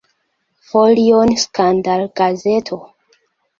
Folion skandalgazeto.